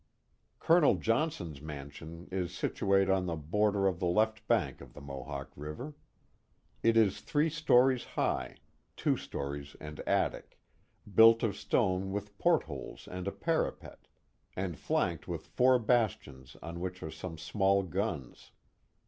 1 Colonel Johnson's mansion is situate on the border of the left bank of the Mohawk River; it is three stories high (two Oriskany 435 stories and attic), built of stone with port holes and a parapet, and flanked with four bastions on which are some small guns.